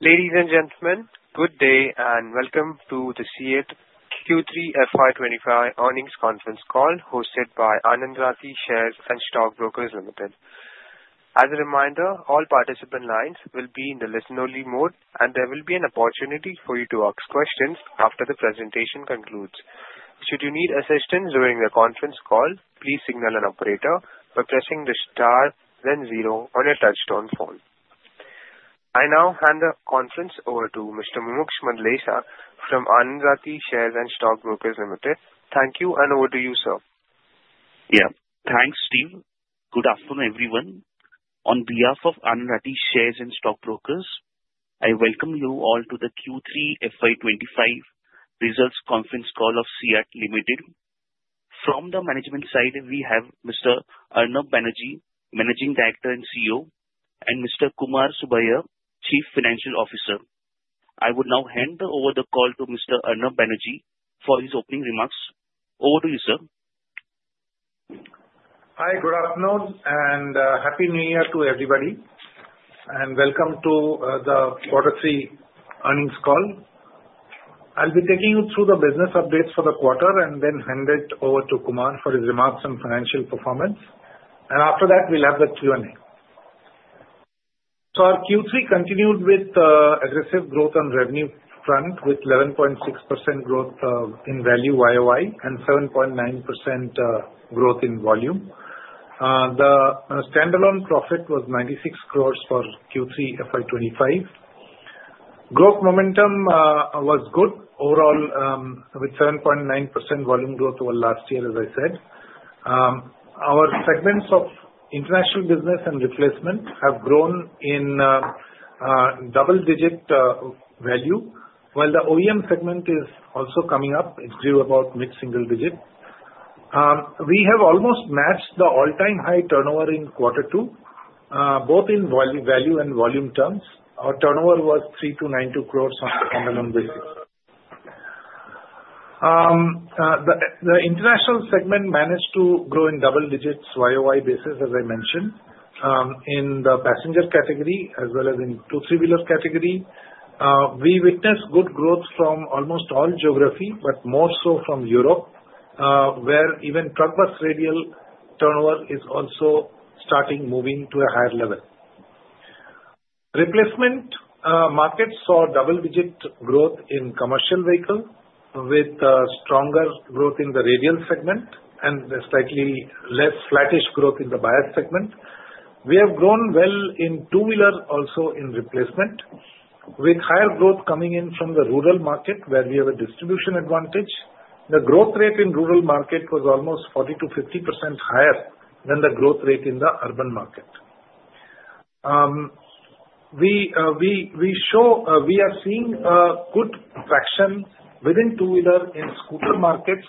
Ladies and gentlemen, good day and welcome to the CEAT Q3 FY 2025 earnings conference call hosted by Anand Rathi Share and Stock Brokers Limited. As a reminder, all participant lines will be in the listen-only mode, and there will be an opportunity for you to ask questions after the presentation concludes. Should you need assistance during the conference call, please signal an operator by pressing the star, then zero on your touch-tone phone. I now hand the conference over to Mr. Mumuksh Mandlesha from Anand Rathi Share and Stock Brokers Limited. Thank you, and over to you, sir. Yeah, thanks, Steve. Good afternoon, everyone. On behalf of Anand Rathi Share and Stock Brokers, I welcome you all to the Q3 FY 2025 results conference call of CEAT Limited. From the management side, we have Mr. Arnab Banerjee, Managing Director and CEO, and Mr. Kumar Subbiah, Chief Financial Officer. I would now hand over the call to Mr. Arnab Banerjee for his opening remarks. Over to you, sir. Hi, good afternoon, and happy New Year to everybody, and welcome to the quarter three earnings call. I'll be taking you through the business updates for the quarter and then hand it over to Kumar for his remarks on financial performance. And after that, we'll have the Q&A. So our Q3 continued with aggressive growth on revenue front, with 11.6% growth in value YoY and 7.9% growth in volume. The standalone profit was 96 crores for Q3 FY 2025. Growth momentum was good overall, with 7.9% volume growth over last year, as I said. Our segments of international business and replacement have grown in double-digit value, while the OEM segment is also coming up. It grew about mid-single digit. We have almost matched the all-time high turnover in quarter two, both in value and volume terms. Our turnover was 392 crores on the standalone basis. The international segment managed to grow in double-digit YoY basis, as I mentioned, in the passenger category as well as in two- and three-wheeler category. We witnessed good growth from almost all geographies, but more so from Europe, where even truck-bus radial turnover is also starting moving to a higher level. Replacement markets saw double-digit growth in commercial vehicles, with stronger growth in the radial segment and slightly less flattish growth in the bias segment. We have grown well in two-wheeler, also in replacement, with higher growth coming in from the rural market, where we have a distribution advantage. The growth rate in rural market was almost 40%-50% higher than the growth rate in the urban market. We are seeing a good traction within two-wheeler and scooter markets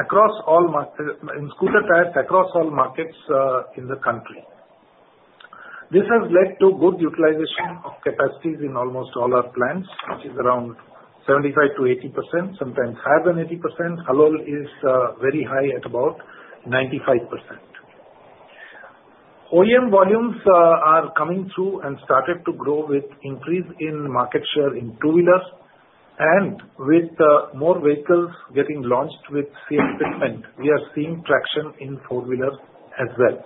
across all markets in scooter tires across all markets in the country. This has led to good utilization of capacities in almost all our plants, which is around 75%-80%, sometimes higher than 80%. Halol is very high at about 95%. OEM volumes are coming through and started to grow with increase in market share in two-wheelers, and with more vehicles getting launched with CEAT fitment, we are seeing traction in four-wheelers as well.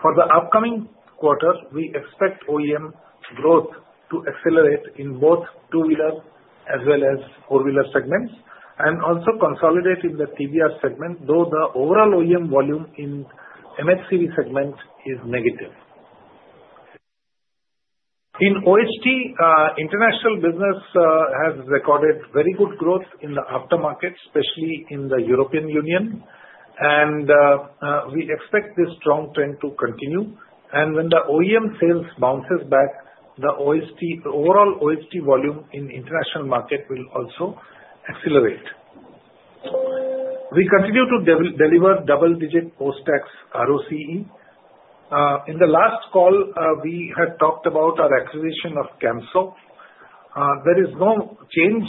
For the upcoming quarter, we expect OEM growth to accelerate in both two-wheelers as well as four-wheeler segments and also consolidate in the TBR segment, though the overall OEM volume in MHCV segment is negative. In OHT, international business has recorded very good growth in the aftermarket, especially in the European Union, and we expect this strong trend to continue, and when the OEM sales bounce back, the overall OHT volume in international market will also accelerate. We continue to deliver double-digit post-tax ROCE. In the last call, we had talked about our acquisition of Camso. There is no change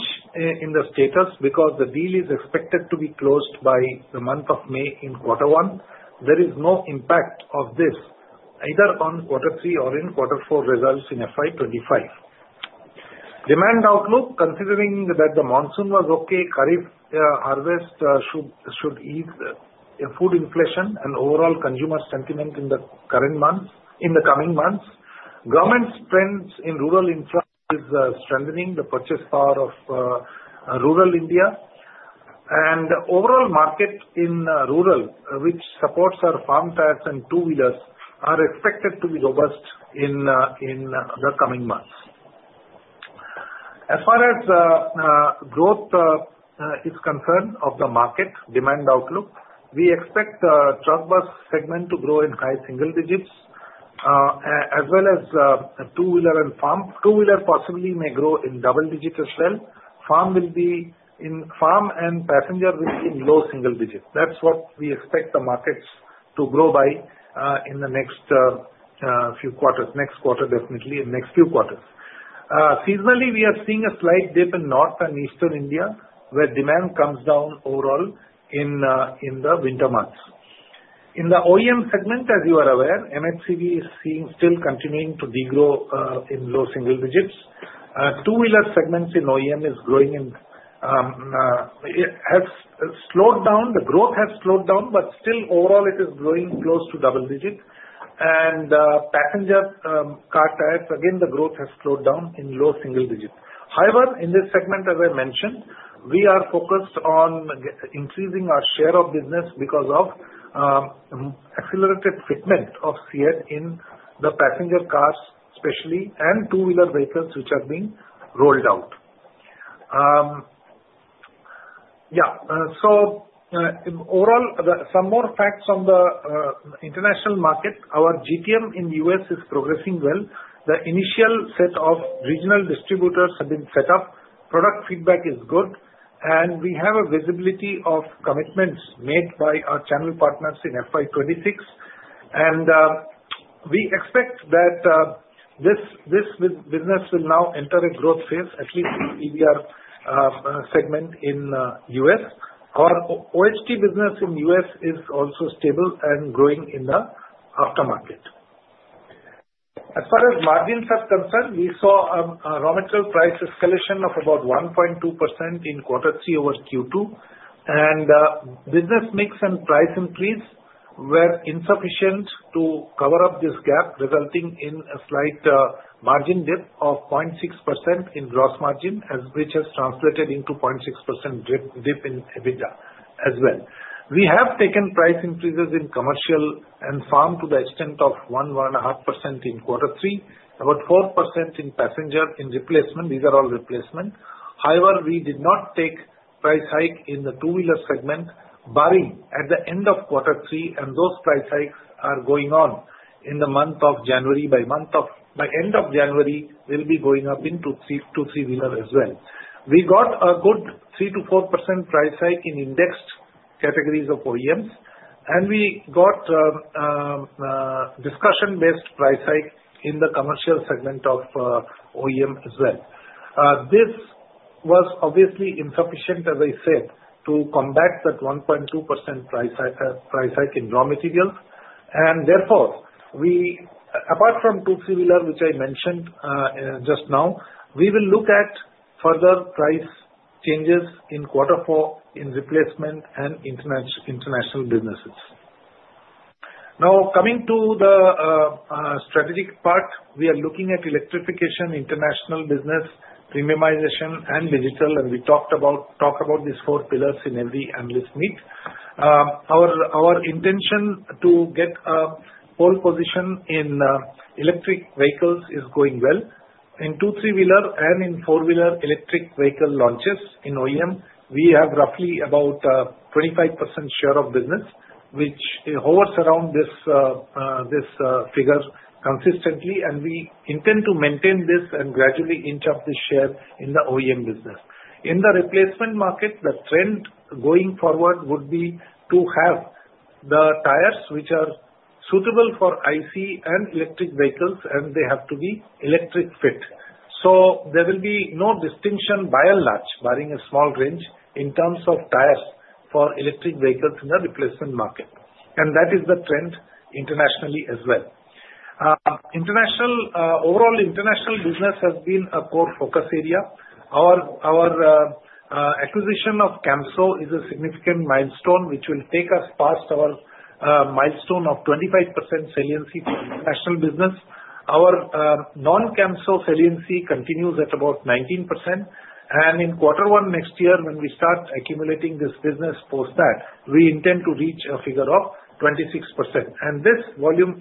in the status because the deal is expected to be closed by the month of May in quarter one. There is no impact of this either on quarter three or in quarter four results in FY 2025. Demand outlook, considering that the monsoon was okay, Kharif harvest should ease food inflation and overall consumer sentiment in the coming months. Government spends in rural infrastructure is strengthening the purchasing power of rural India, and overall market in rural, which supports our farm tires and two-wheelers, are expected to be robust in the coming months. As far as growth is concerned of the market demand outlook, we expect the truck bus segment to grow in high single digits, as well as two-wheeler and farm two-wheeler possibly may grow in double digits as well. Farm and passenger will be in low single digits. That's what we expect the markets to grow by in the next few quarters, next quarter definitely, and next few quarters. Seasonally, we are seeing a slight dip in north and eastern India, where demand comes down overall in the winter months. In the OEM segment, as you are aware, MHCV is still continuing to degrow in low single digits. Two-wheeler segments in OEM is growing, it has slowed down. The growth has slowed down, but still overall it is growing close to double digits. Passenger car tires, again, the growth has slowed down in low single digits. However, in this segment, as I mentioned, we are focused on increasing our share of business because of accelerated fitment of CEAT in the passenger cars, especially, and two-wheeler vehicles, which are being rolled out. Yeah, so overall, some more facts on the international market. Our GTM in the US is progressing well. The initial set of regional distributors have been set up. Product feedback is good, and we have a visibility of commitments made by our channel partners in FY 2026, and we expect that this business will now enter a growth phase, at least in the TBR segment in the U.S. Our OHT business in the U.S. is also stable and growing in the aftermarket. As far as margins are concerned, we saw a raw material price escalation of about 1.2% in quarter three over Q2, and business mix and price increase were insufficient to cover up this gap, resulting in a slight margin dip of 0.6% in gross margin, which has translated into 0.6% dip in EBITDA as well. We have taken price increases in commercial and farm to the extent of 1%-1.5% in quarter three, about 4% in passenger in replacement. These are all replacement. However, we did not take price hike in the two-wheeler segment, barring at the end of quarter three, and those price hikes are going on in the month of January. By end of January, we'll be going up into two three-wheeler as well. We got a good 3%-4% price hike in indexed categories of OEMs, and we got discussion-based price hike in the commercial segment of OEM as well. This was obviously insufficient, as I said, to combat that 1.2% price hike in raw materials. Therefore, apart from two three-wheeler, which I mentioned just now, we will look at further price changes in quarter four in replacement and international businesses. Now, coming to the strategic part, we are looking at electrification, international business, premiumization, and digital, and we talk about these four pillars in every analyst meet. Our intention to get a pole position in electric vehicles is going well. In two three-wheeler and in four-wheeler electric vehicle launches in OEM, we have roughly about 25% share of business, which hovers around this figure consistently, and we intend to maintain this and gradually inch up this share in the OEM business. In the replacement market, the trend going forward would be to have the tires which are suitable for ICE and electric vehicles, and they have to be electric fit. So there will be no distinction by and large, barring a small range in terms of tires for electric vehicles in the replacement market, and that is the trend internationally as well. Overall, international business has been a core focus area. Our acquisition of Camso is a significant milestone, which will take us past our milestone of 25% saliency for international business. Our non-Camso saliency continues at about 19%, and in quarter one next year, when we start accumulating this business post that, we intend to reach a figure of 26%, and this volume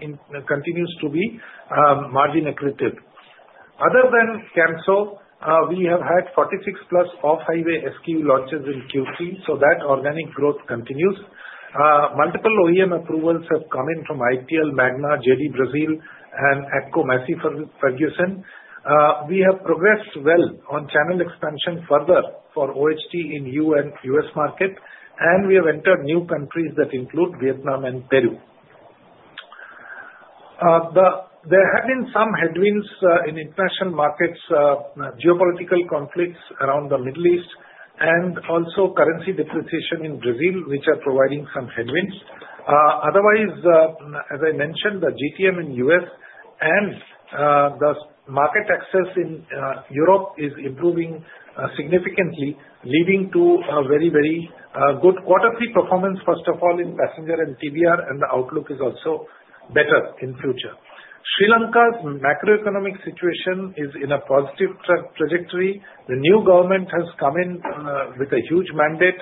continues to be margin accretive. Other than Camso, we have had 46+ off-highway SKU launches in Q3, so that organic growth continues. Multiple OEM approvals have come in from ITL, Magna, JD Brazil, and AGCO Massey Ferguson. We have progressed well on channel expansion further for OHT in U.S. market, and we have entered new countries that include Vietnam and Peru. There have been some headwinds in international markets, geopolitical conflicts around the Middle East, and also currency depreciation in Brazil, which are providing some headwinds. Otherwise, as I mentioned, the GTM in U.S. and the market access in Europe is improving significantly, leading to a very, very good quarter three performance, first of all, in passenger and TBR, and the outlook is also better in future. Sri Lanka's macroeconomic situation is in a positive trajectory. The new government has come in with a huge mandate.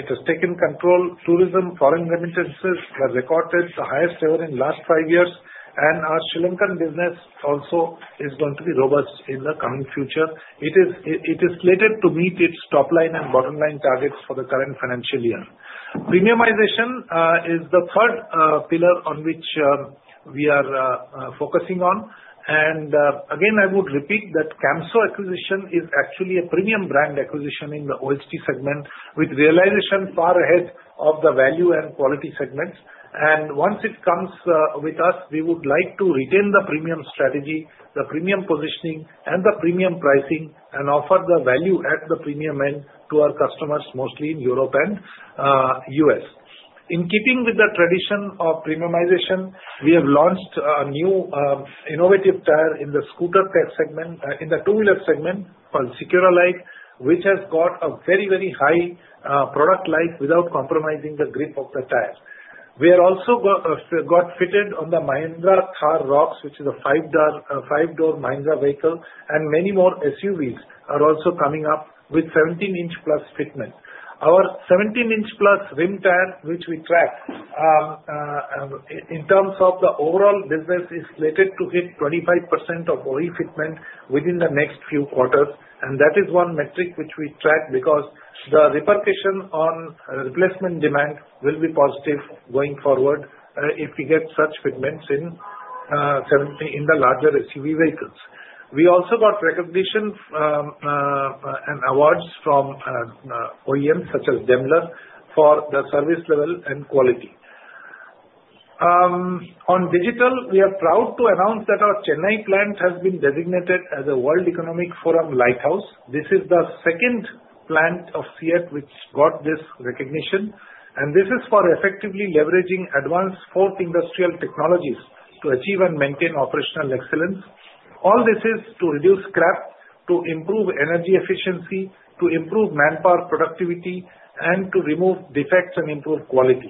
It has taken control. Tourism foreign remittances were recorded the highest ever in the last five years, and our Sri Lankan business also is going to be robust in the coming future. It is slated to meet its top line and bottom line targets for the current financial year. Premiumization is the third pillar on which we are focusing on. And again, I would repeat that Camso acquisition is actually a premium brand acquisition in the OHT segment, with realization far ahead of the value and quality segments. Once it comes with us, we would like to retain the premium strategy, the premium positioning, and the premium pricing, and offer the value at the premium end to our customers, mostly in Europe and U.S. In keeping with the tradition of premiumization, we have launched a new innovative tire in the scooter tech segment, in the two-wheeler segment called Secura Life, which has got a very, very high product life without compromising the grip of the tires. We have also got fitted on the Mahindra Thar Roxx, which is a five-door Mahindra vehicle, and many more SUVs are also coming up with 17-inch plus fitment. Our 17-inch plus rim tire, which we track in terms of the overall business, is slated to hit 25% of OE fitment within the next few quarters, and that is one metric which we track because the repercussion on replacement demand will be positive going forward if we get such fitments in the larger SUV vehicles. We also got recognition and awards from OEMs such as Daimler for the service level and quality. On digital, we are proud to announce that our Chennai plant has been designated as a World Economic Forum Lighthouse. This is the second plant of CEAT which got this recognition, and this is for effectively leveraging advanced fourth industrial technologies to achieve and maintain operational excellence. All this is to reduce scrap, to improve energy efficiency, to improve manpower productivity, and to remove defects and improve quality.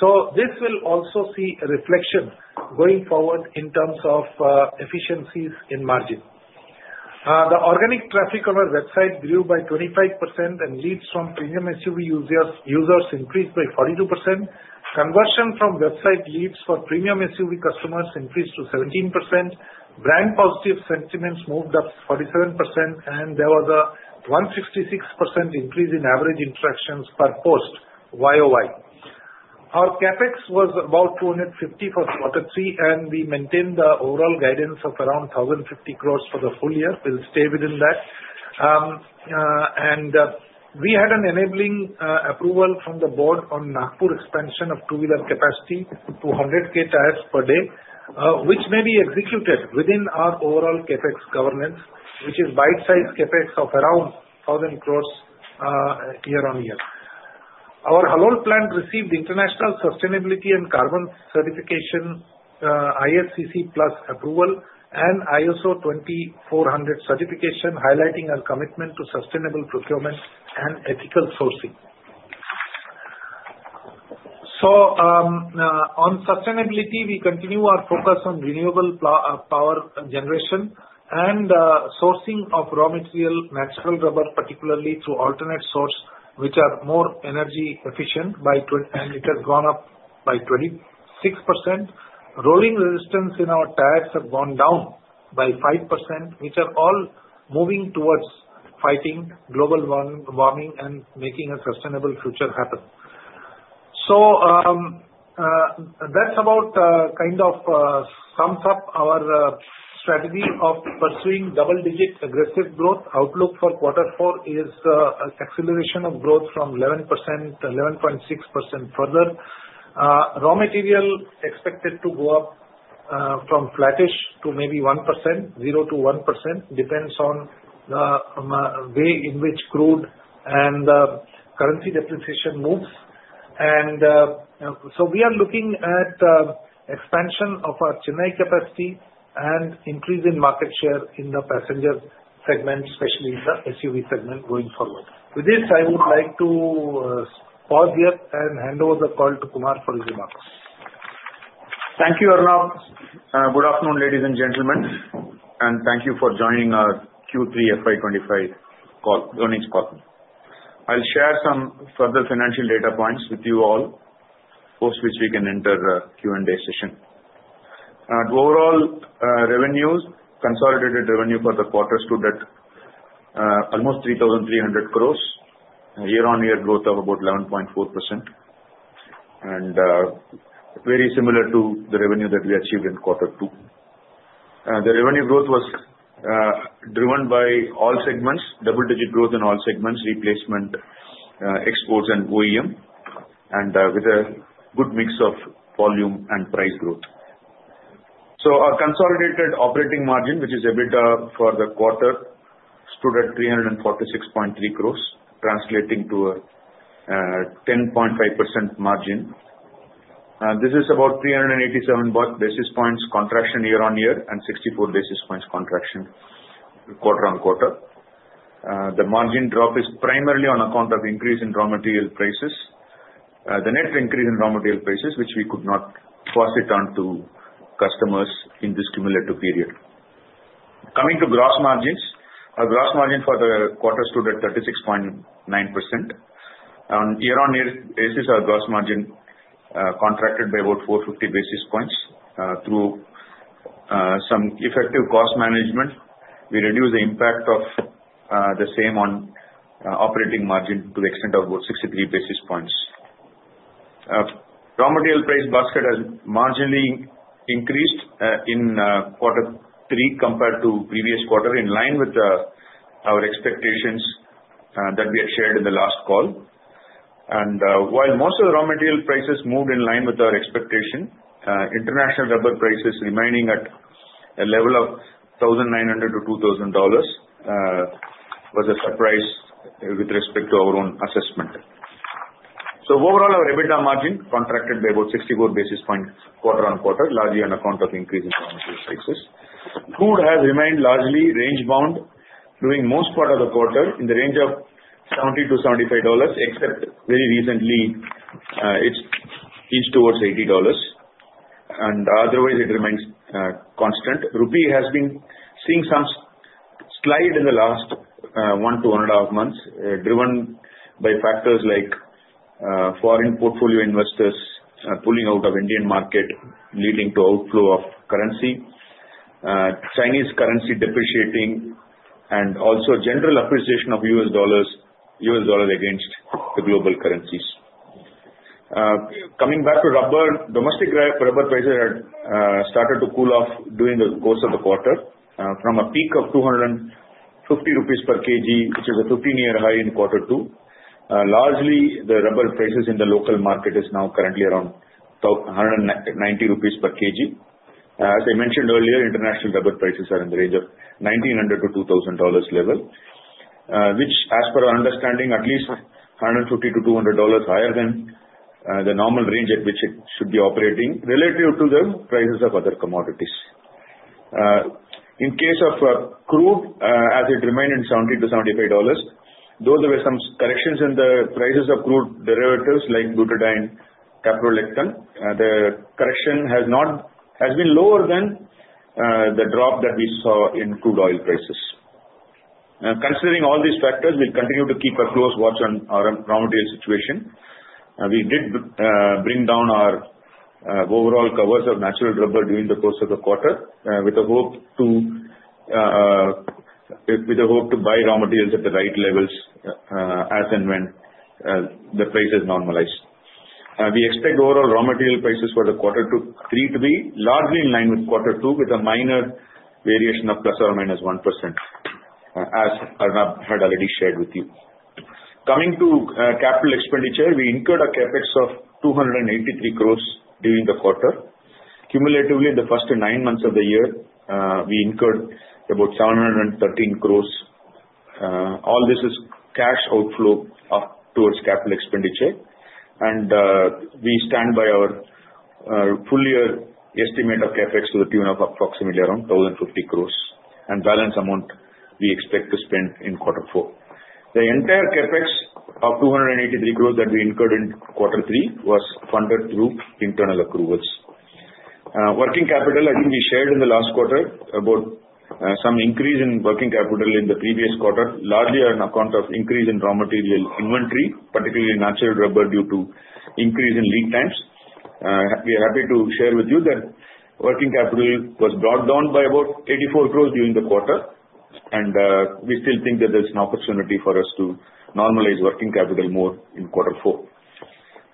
So this will also see a reflection going forward in terms of efficiencies in margin. The organic traffic on our website grew by 25%, and leads from premium SUV users increased by 42%. Conversion from website leads for premium SUV customers increased to 17%. Brand positive sentiments moved up 47%, and there was a 166% increase in average interactions per post YoY. Our CapEx was about 250 crores for quarter three, and we maintained the overall guidance of around 1,050 crores for the full year. We'll stay within that. And we had an enabling approval from the board on Nagpur expansion of two-wheeler capacity to 100K tires per day, which may be executed within our overall CapEx governance, which is bite-sized CapEx of around 1,000 crores year-on-year. Our Halol plant received international sustainability and carbon certification, ISCC PLUS approval, and ISO 20400 certification, highlighting our commitment to sustainable procurement and ethical sourcing. So on sustainability, we continue our focus on renewable power generation and sourcing of raw material, natural rubber, particularly through alternate source, which are more energy efficient, and it has gone up by 26%. Rolling resistance in our tires have gone down by 5%, which are all moving towards fighting global warming and making a sustainable future happen. So that's about kind of sums up our strategy of pursuing double-digit aggressive growth. Outlook for quarter four is acceleration of growth from 11%, 11.6% further. Raw material expected to go up from flattish to maybe 1%, 0%-1%, depends on the way in which crude and currency depreciation moves. And so we are looking at expansion of our Chennai capacity and increase in market share in the passenger segment, especially in the SUV segment going forward. With this, I would like to pause here and hand over the call to Kumar for his remarks. Thank you, Arnab. Good afternoon, ladies and gentlemen, and thank you for joining our Q3 FY 2025 joining call. I'll share some further financial data points with you all, post which we can enter Q&A session. Overall revenues, consolidated revenue for the quarter two that almost 3,300 crores, year-on-year growth of about 11.4%, and very similar to the revenue that we achieved in quarter two. The revenue growth was driven by all segments, double-digit growth in all segments, replacement, exports, and OEM, and with a good mix of volume and price growth. Our consolidated operating margin, which is EBITDA for the quarter, stood at 346.3 crores, translating to a 10.5% margin. This is about 387 basis points contraction year-on-year and 64 basis points contraction quarter on quarter. The margin drop is primarily on account of increase in raw material prices, the net increase in raw material prices, which we could not pass it on to customers in this cumulative period. Coming to gross margins, our gross margin for the quarter stood at 36.9%. On year-on-year basis, our gross margin contracted by about 450 basis points. Through some effective cost management, we reduce the impact of the same on operating margin to the extent of about 63 basis points. Raw material price basket has marginally increased in quarter three compared to previous quarter, in line with our expectations that we had shared in the last call. While most of the raw material prices moved in line with our expectation, international rubber prices remaining at a level of $1,900-$2,000 was a surprise with respect to our own assessment. Overall, our EBITDA margin contracted by about 64 basis points quarter-on-quarter, largely on account of increase in raw material prices. Crude has remained largely range-bound during most part of the quarter in the range of $70-$75, except very recently it's eased towards $80, and otherwise it remains constant. Rupee has been seeing some slide in the last one to one and a half months, driven by factors like foreign portfolio investors pulling out of Indian market, leading to outflow of currency, Chinese currency depreciating, and also general appreciation of U.S. dollars against the global currencies. Coming back to rubber, domestic rubber prices had started to cool off during the course of the quarter from a peak of 250 rupees per kg, which is a 15-year high in quarter two. Largely, the rubber prices in the local market is now currently around 190 rupees per kg. As I mentioned earlier, international rubber prices are in the range of $1,900-$2,000 level, which, as per our understanding, at least $150-$200 higher than the normal range at which it should be operating relative to the prices of other commodities. In case of crude, as it remained in $70-$75, though there were some corrections in the prices of crude derivatives like butadiene, caprolactam, the correction has been lower than the drop that we saw in crude oil prices. Considering all these factors, we'll continue to keep a close watch on our raw material situation. We did bring down our overall covers of natural rubber during the course of the quarter with the hope to buy raw materials at the right levels as and when the prices normalize. We expect overall raw material prices for the quarter three to be largely in line with quarter two, with a minor variation of plus or minus 1%, as Arnab had already shared with you. Coming to capital expenditure, we incurred a CapEx of 283 crores during the quarter. Cumulatively, in the first nine months of the year, we incurred about 713 crores. All this is cash outflow towards capital expenditure, and we stand by our full-year estimate of CapEx to the tune of approximately around 1,050 crores and balance amount we expect to spend in quarter four. The entire CapEx of 283 crores that we incurred in quarter three was funded through internal approvals. Working capital, I think we shared in the last quarter, about some increase in working capital in the previous quarter, largely on account of increase in raw material inventory, particularly natural rubber due to increase in lead times. We are happy to share with you that working capital was brought down by about 84 crores during the quarter, and we still think that there's an opportunity for us to normalize working capital more in quarter four.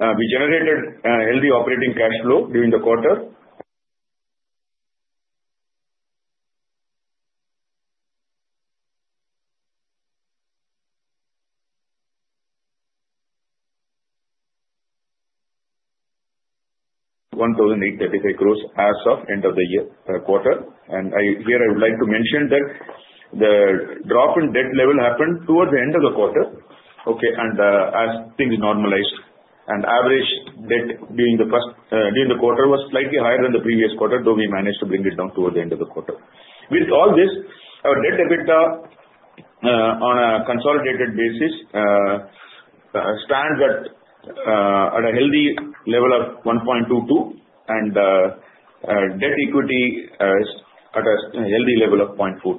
We generated healthy operating cash flow during the quarter.... INR 1,835 crores as of end of the quarter. And here I would like to mention that the drop in debt level happened towards the end of the quarter, okay, and as things normalized. And average debt during the quarter was slightly higher than the previous quarter, though we managed to bring it down towards the end of the quarter. With all this, our debt-to-EBITDA on a consolidated basis stands at a healthy level of 1.22, and debt-to-equity is at a healthy level of 0.43.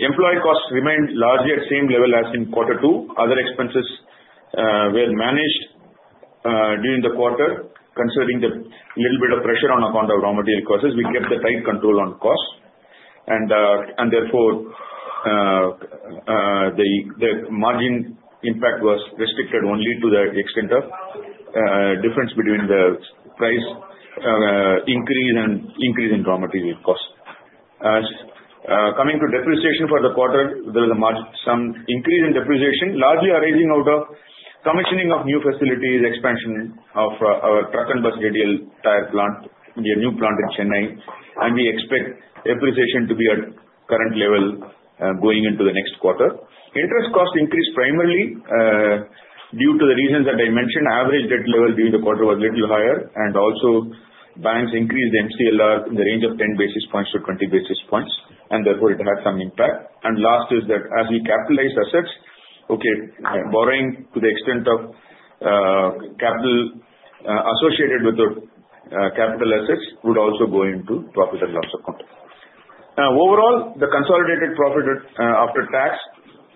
Employee costs remained largely at the same level as in quarter two. Other expenses were managed during the quarter. Considering the little bit of pressure on account of raw material costs, we kept the tight control on cost, and therefore the margin impact was restricted only to the extent of difference between the price increase and increase in raw material cost. Coming to depreciation for the quarter, there was some increase in depreciation, largely arising out of commissioning of new facilities, expansion of our truck and bus radial tire plant, the new plant in Chennai, and we expect depreciation to be at current level going into the next quarter. Interest costs increased primarily due to the reasons that I mentioned. Average debt level during the quarter was a little higher, and also banks increased the MCLR in the range of 10 basis points to 20 basis points, and therefore it had some impact. And last is that as we capitalized assets, okay, borrowing to the extent of capital associated with capital assets would also go into profit and loss account. Overall, the consolidated profit after tax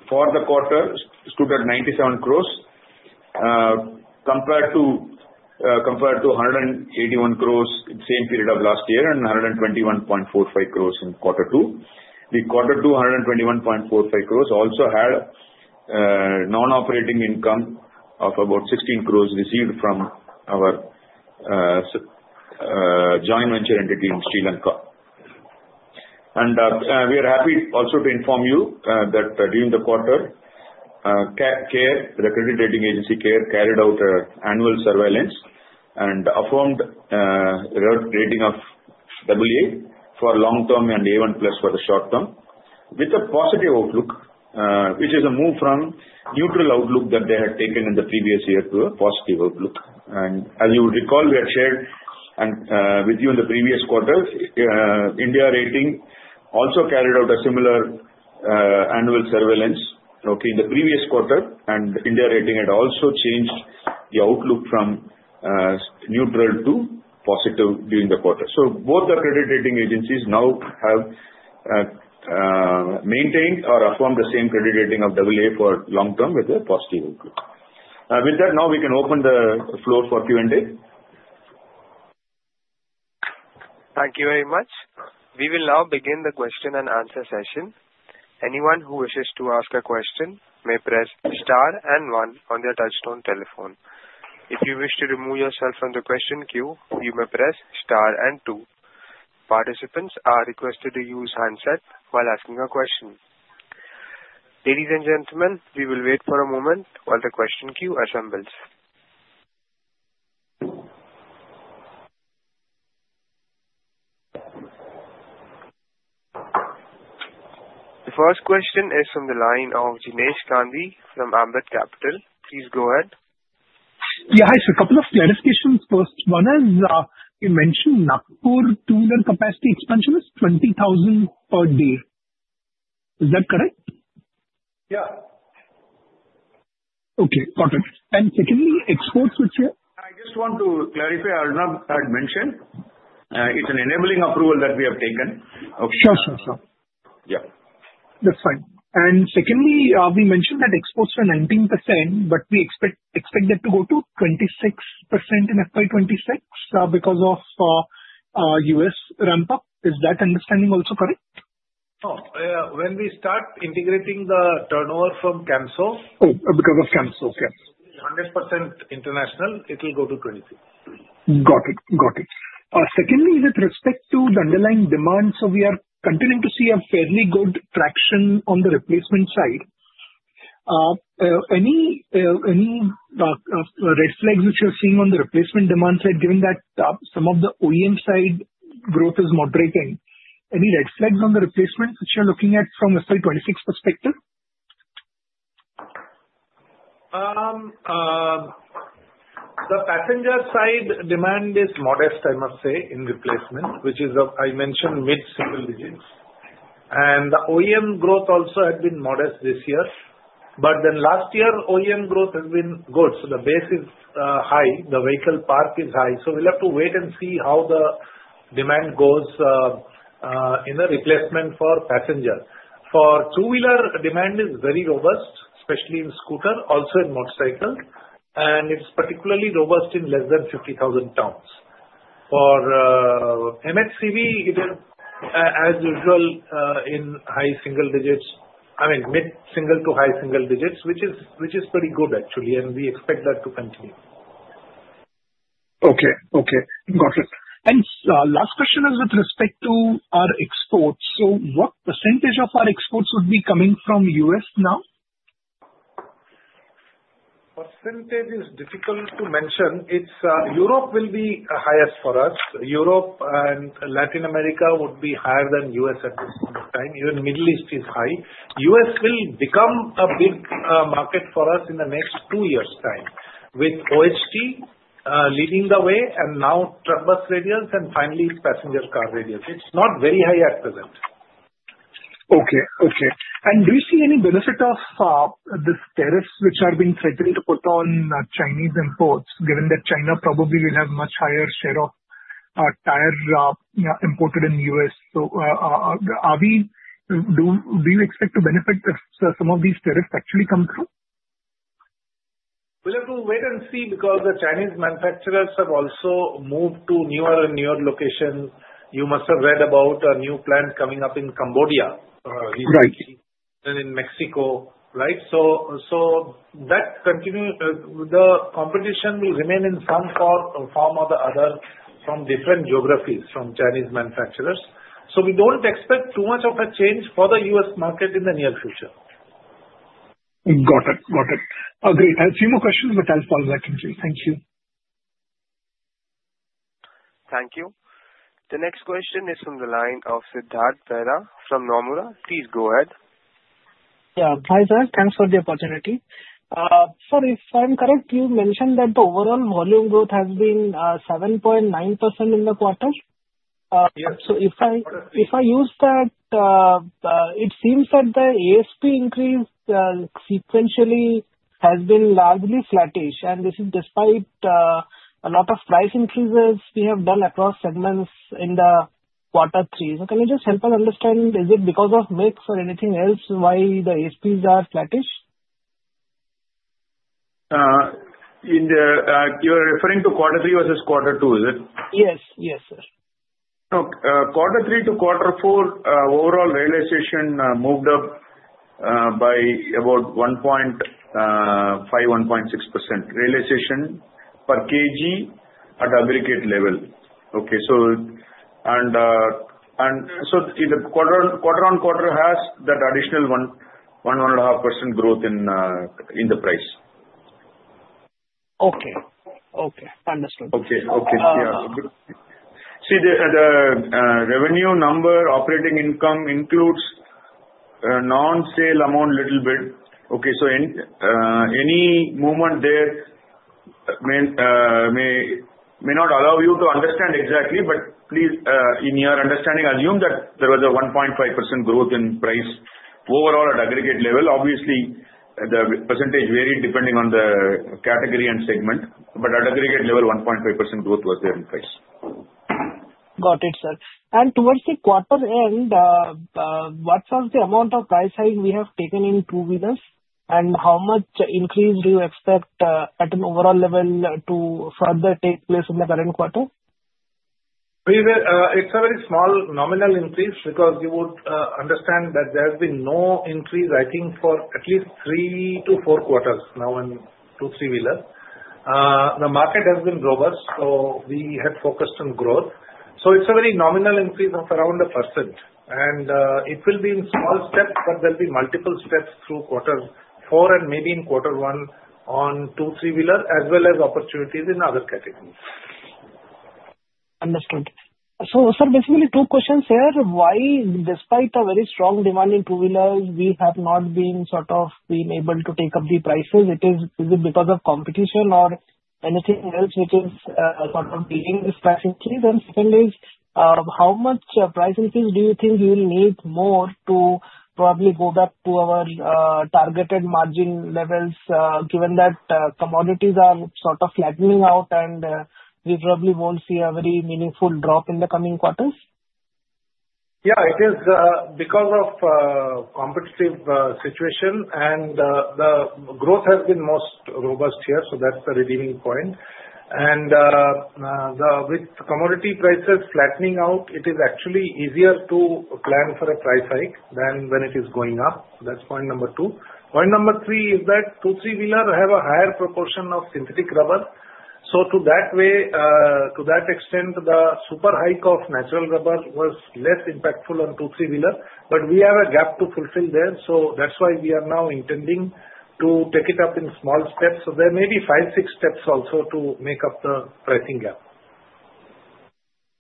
for the quarter stood at 97 crores compared to 181 crores in the same period of last year and 121.45 crores in quarter two. The quarter two 121.45 crores also had non-operating income of about 16 crores received from our joint venture entity in Sri Lanka. We are happy also to inform you that during the quarter, the credit rating agency CARE carried out annual surveillance and affirmed rating of AA for long term and A1+ for the short term, with a positive outlook, which is a move from neutral outlook that they had taken in the previous year to a positive outlook. As you would recall, we had shared with you in the previous quarter, India Ratings also carried out a similar annual surveillance, okay, in the previous quarter, and India Ratings had also changed the outlook from neutral to positive during the quarter. Both the credit rating agencies now have maintained or affirmed the same credit rating of AA for long term with a positive outlook. With that, now we can open the floor for Q&A. Thank you very much. We will now begin the question and answer session. Anyone who wishes to ask a question may press star and one on their touch-tone telephone. If you wish to remove yourself from the question queue, you may press star and two. Participants are requested to use handset while asking a question. Ladies and gentlemen, we will wait for a moment while the question queue assembles. The first question is from the line of Jinesh Gandhi from Ambit Capital. Please go ahead. Yeah, hi sir. A couple of clarifications. First, one is you mentioned Nagpur two-wheeler and capacity expansion is 20,000 per day. Is that correct? Yeah. Okay, got it. And secondly, exports which are? I just want to clarify Arnab had mentioned it's an enabling approval that we have taken. Okay. Sure, sure, sure. Yeah. That's fine. And secondly, we mentioned that exports are 19%, but we expect that to go to 26% in FY26 because of U.S. ramp-up. Is that understanding also correct? No. When we start integrating the turnover from Camso. Oh, because of Camso, yeah. 100% international, it will go to 26%. Got it. Got it. Secondly, with respect to the underlying demand, so we are continuing to see a fairly good traction on the replacement side. Any red flags which you're seeing on the replacement demand side, given that some of the OEM side growth is moderating, any red flags on the replacement which you're looking at from FY 2026 perspective? The passenger side demand is modest, I must say, in replacement, which is, I mentioned, mid-single digits. And the OEM growth also had been modest this year. But then last year, OEM growth has been good. So the base is high. The vehicle park is high. So we'll have to wait and see how the demand goes in the replacement for passenger. For two-wheeler, demand is very robust, especially in scooter, also in motorcycle, and it's particularly robust in less than 50,000 tons. For MHCV, it is, as usual, in high single digits, I mean, mid-single to high single digits, which is pretty good, actually, and we expect that to continue. Okay, okay. Got it. And last question is with respect to our exports. So what percentage of our exports would be coming from U.S. now? Percentage is difficult to mention. Europe will be highest for us. Europe and Latin America would be higher than U.S. at this point in time. Even Middle East is high. U.S. will become a big market for us in the next two years' time, with OHT leading the way, and now truck bus radials, and finally, passenger car radials. It's not very high at present. Okay, okay. Do you see any benefit of these tariffs which are being threatened to put on Chinese imports, given that China probably will have a much higher share of tire imported in the U.S.? So do you expect to benefit if some of these tariffs actually come through? We'll have to wait and see because the Chinese manufacturers have also moved to newer and newer locations. You must have read about a new plant coming up in Cambodia, recently, and in Mexico, right? So the competition will remain in some form or the other from different geographies from Chinese manufacturers. So we don't expect too much of a change for the U.S. market in the near future. Got it. Got it. Great. I have a few more questions, but I'll follow back in too. Thank you. Thank you. The next question is from the line of Siddhartha Bera from Nomura. Please go ahead. Yeah. Hi there. Thanks for the opportunity. So if I'm correct, you mentioned that the overall volume growth has been 7.9% in the quarter. Yes. So if I use that, it seems that the ASP increase sequentially has been largely flattish, and this is despite a lot of price increases we have done across segments in the quarter three. So can you just help us understand, is it because of mix or anything else why the ASPs are flattish? You're referring to quarter three versus quarter two, is it? Yes. Yes, sir. Quarter three to quarter four, overall realization moved up by about 1.5%-1.6%. Realization per kg at aggregate level. Okay. And so the quarter on quarter has that additional 1.5% growth in the price. Okay. Okay. Understood. Okay. Okay. Yeah. See, the revenue number, operating income includes non-sale amount a little bit. Okay. So any movement there may not allow you to understand exactly, but please, in your understanding, assume that there was a 1.5% growth in price overall at aggregate level. Obviously, the percentage varied depending on the category and segment, but at aggregate level, 1.5% growth was there in price. Got it, sir. And towards the quarter end, what was the amount of price hike we have taken in two-wheelers, and how much increase do you expect at an overall level to further take place in the current quarter? It's a very small nominal increase because you would understand that there has been no increase, I think, for at least three to four quarters now in two three-wheelers. The market has been robust, so we had focused on growth. It's a very nominal increase of around 1%, and it will be in small steps, but there'll be multiple steps through quarter four and maybe in quarter one on two-wheelers, as well as opportunities in other categories. Understood. So sir, basically, two questions here. Why, despite a very strong demand in two-wheelers, we have not sort of been able to take up the prices? Is it because of competition or anything else which is sort of leading this price increase? And secondly, how much price increase do you think we will need more to probably go back to our targeted margin levels, given that commodities are sort of flattening out and we probably won't see a very meaningful drop in the coming quarters? Yeah, it is because of competitive situation, and the growth has been most robust here, so that's the redeeming point. With commodity prices flattening out, it is actually easier to plan for a price hike than when it is going up. That's point number two. Point number three is that two- and three-wheelers have a higher proportion of synthetic rubber. So to that way, to that extent, the sharp hike of natural rubber was less impactful on two-wheeler and three-wheelers, but we have a gap to fulfill there, so that's why we are now intending to take it up in small steps. So there may be five, six steps also to make up the pricing gap.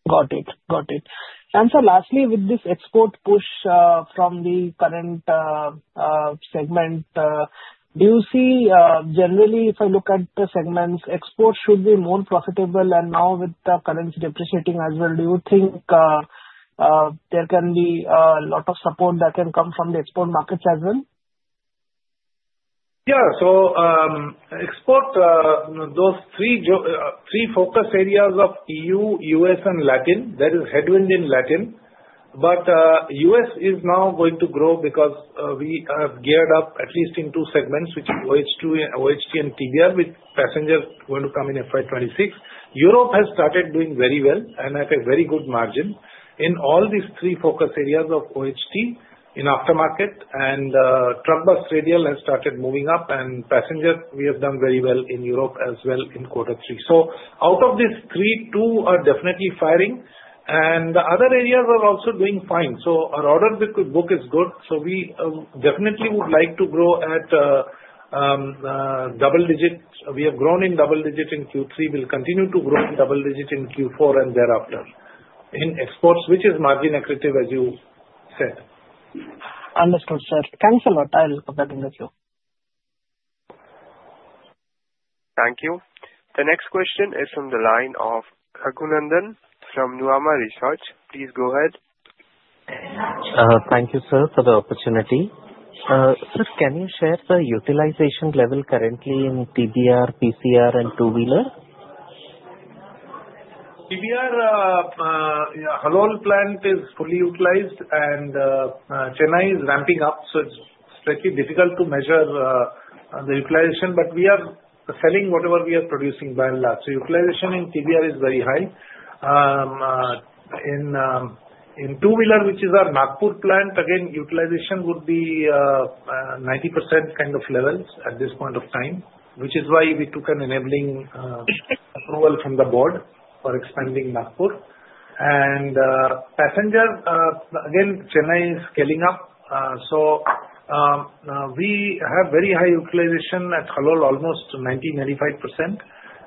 Got it. Got it. And so lastly, with this export push from the current segment, do you see generally, if I look at the segments, exports should be more profitable, and now with the currency depreciating as well, do you think there can be a lot of support that can come from the export markets as well? Yeah. So export, those three focus areas of E.U., U.S., and Latin, there is headwind in Latin, but U.S. is now going to grow because we have geared up at least in two segments, which are OHT and TBR, with passenger going to come in FY 2026. Europe has started doing very well and at a very good margin. In all these three focus areas of OHT in aftermarket and truck bus radial has started moving up, and passenger, we have done very well in Europe as well in quarter three. So out of these three, two are definitely firing, and the other areas are also doing fine. So our order book is good. So we definitely would like to grow at double digit. We have grown in double digit in Q3. We'll continue to grow in double digit in Q4 and thereafter in exports, which is margin accretive, as you said. Understood, sir. Thanks a lot. I'll be back in the queue. Thank you. The next question is from the line of Raghunandan from Nuvama Research. Please go ahead. Thank you, sir, for the opportunity. Sir, can you share the utilization level currently in TBR, PCR, and two-wheeler? TBR, yeah, Halol plant is fully utilized, and Chennai is ramping up, so it's strictly difficult to measure the utilization, but we are selling whatever we are producing by and large. So utilization in TBR is very high. In two-wheeler, which is our Nagpur plant, again, utilization would be 90% kind of levels at this point of time, which is why we took an enabling approval from the board for expanding Nagpur. And passenger, again, Chennai is scaling up, so we have very high utilization at Halol, almost 90%-95%.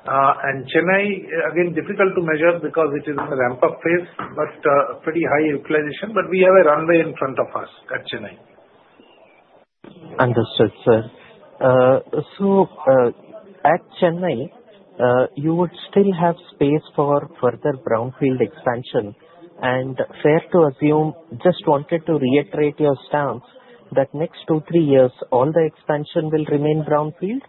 And Chennai, again, difficult to measure because it is in the ramp-up phase, but pretty high utilization, but we have a runway in front of us at Chennai. Understood, sir. So at Chennai, you would still have space for further brownfield expansion, and fair to assume, just wanted to reiterate your stance that next two to three years, all the expansion will remain brownfield?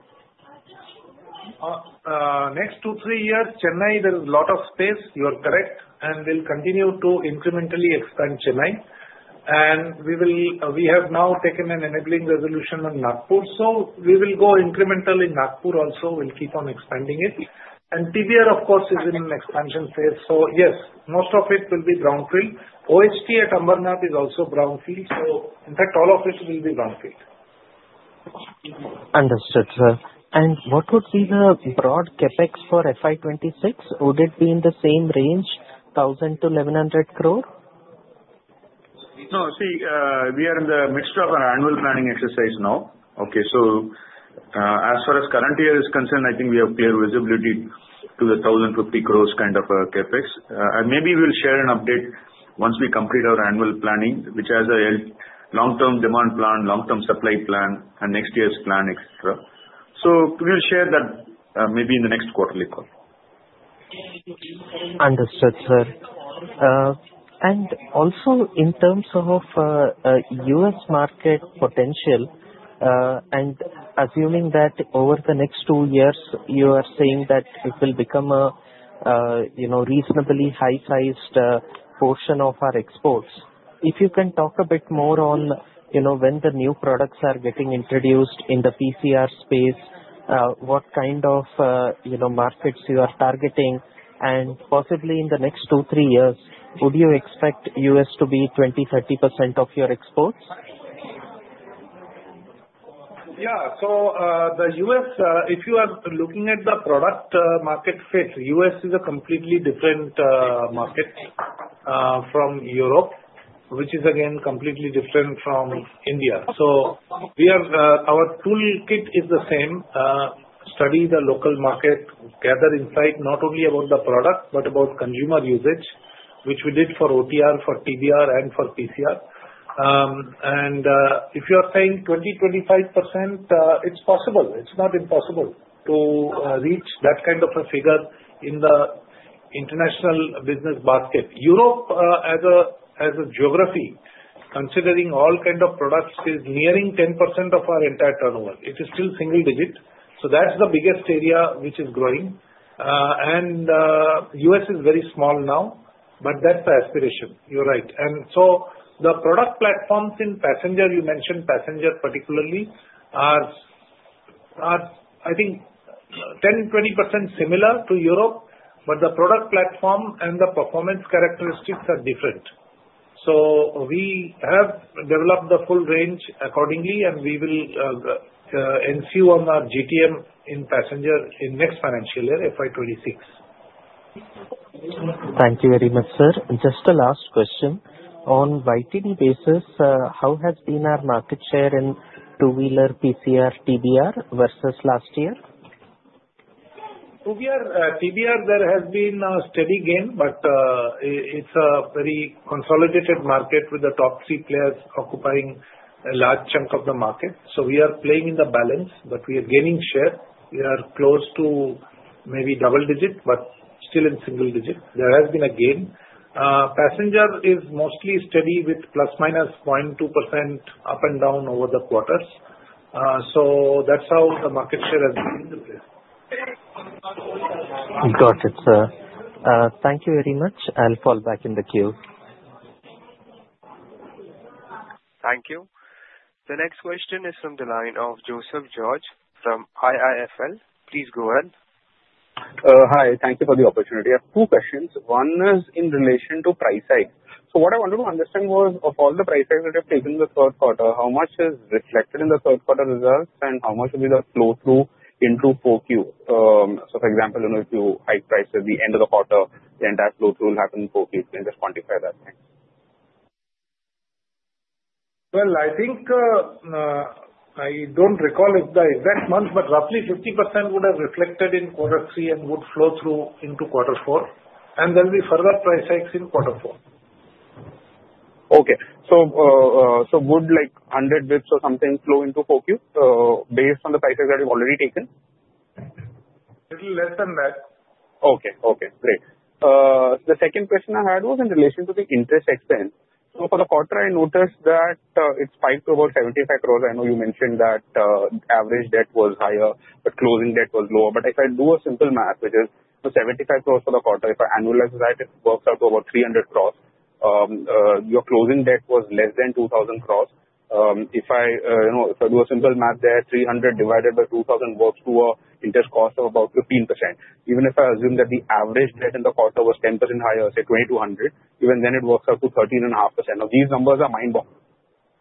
Next two to three years, Chennai, there is a lot of space. You are correct. We'll continue to incrementally expand Chennai, and we have now taken an enabling resolution on Nagpur, so we will go incremental in Nagpur also. We'll keep on expanding it. And TBR, of course, is in an expansion phase, so yes, most of it will be brownfield. OHT at Ambarnath is also brownfield, so in fact, all of it will be brownfield. Understood, sir. And what would be the broad CapEx for FY 2026? Would it be in the same range, 1,000 crores-1,100 crores? No, see, we are in the midst of our annual planning exercise now. Okay. So as far as current year is concerned, I think we have clear visibility to the 1,050 crores kind of CapEx. And maybe we'll share an update once we complete our annual planning, which has a long-term demand plan, long-term supply plan, and next year's plan, etc. So we'll share that maybe in the next quarterly call. Understood, sir. And also in terms of U.S. market potential, and assuming that over the next two years, you are saying that it will become a reasonably high-sized portion of our exports. If you can talk a bit more on when the new products are getting introduced in the PCR space, what kind of markets you are targeting, and possibly in the next two, three years, would you expect U.S. to be 20%, 30% of your exports? Yeah. So the U.S., if you are looking at the product market fit, U.S. is a completely different market from Europe, which is again completely different from India. So our toolkit is the same: study the local market, gather insight not only about the product but about consumer usage, which we did for OTR, for TBR, and for PCR. And if you are saying 20%-25%, it's possible. It's not impossible to reach that kind of a figure in the international business basket. Europe, as a geography, considering all kinds of products, is nearing 10% of our entire turnover. It is still single digit, so that's the biggest area which is growing. And U.S. is very small now, but that's the aspiration. You're right. And so the product platforms in passenger, you mentioned passenger particularly, are, I think, 10%-20% similar to Europe, but the product platform and the performance characteristics are different. So we have developed the full range accordingly, and we will ensure on our GTM in passenger in next financial year, FY 2026. Thank you very much, sir. Just a last question. On a volume basis, how has been our market share in two-wheeler, PCR, TBR versus last year? TBR, there has been a steady gain, but it's a very consolidated market with the top three players occupying a large chunk of the market. So we are playing in the balance, but we are gaining share. We are close to maybe double digit, but still in single digit. There has been a gain. Passenger is mostly steady with plus minus 0.2% up and down over the quarters. So that's how the market share has been in the place. Got it, sir. Thank you very much. I'll fall back in the queue. Thank you. The next question is from the line of Joseph George from IIFL. Please go ahead. Hi. Thank you for the opportunity. I have two questions. One is in relation to price hike. So what I wanted to understand was, of all the price hikes that you have taken in the third quarter, how much is reflected in the third quarter results, and how much will be the flow-through into 4Q? So for example, if you hike prices at the end of the quarter, then that flow-through will happen in 4Q. Can you just quantify that? Well, I think I don't recall the exact month, but roughly 50% would have reflected in quarter three and would flow through into quarter four. And there will be further price hikes in quarter four. Okay. So would like 100 basis points or something flow into 4Q based on the price hike that you've already taken? A little less than that. Okay. Okay. Great. The second question I had was in relation to the interest expense. For the quarter, I noticed that it spiked to about 75 crores. I know you mentioned that average debt was higher, but closing debt was lower. But if I do a simple math, which is 75 crores for the quarter, if I annualize that, it works out to about 300 crores. Your closing debt was less than 2,000 crores. If I do a simple math there, 300 divided by 2,000 works to an interest cost of about 15%. Even if I assume that the average debt in the quarter was 10% higher, say 2,200, even then it works out to 13.5%. Now, these numbers are mind-blowing.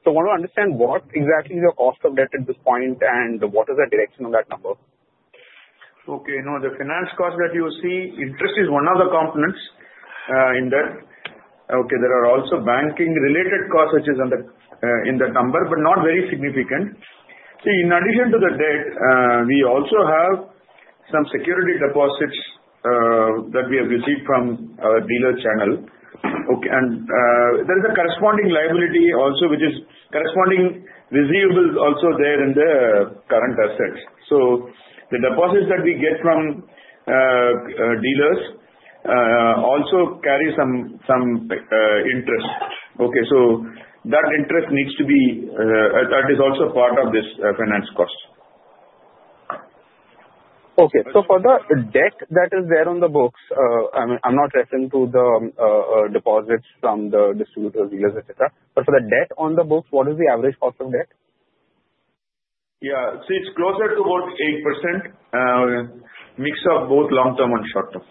So I want to understand what exactly is your cost of debt at this point, and what is the direction of that number? Okay. No, the finance cost that you see, interest is one of the components in that. Okay. There are also banking-related costs, which is in that number, but not very significant. See, in addition to the debt, we also have some security deposits that we have received from our dealer channel. And there is a corresponding liability also, which is corresponding residuals also there in the current assets. So the deposits that we get from dealers also carry some interest. Okay. So that interest needs to be that is also part of this finance cost. Okay. So for the debt that is there on the books, I'm not referring to the deposits from the distributors, dealers, etc. But for the debt on the books, what is the average cost of debt? Yeah. See, it's closer to about 8% mix of both long-term and short-term.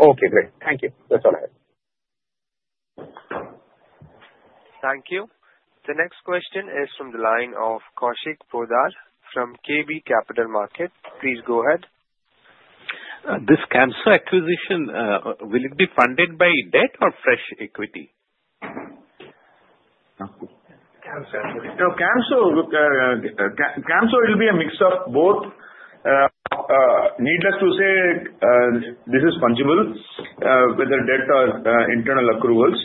Okay. Great. Thank you. That's all I have. Thank you. The next question is from the line of Kaushik Poddar from KB Capital Markets. Please go ahead. This Camso acquisition, will it be funded by debt or fresh equity? Camso. Camso will be a mix of both. Needless to say, this is fungible, whether debt or internal accruals.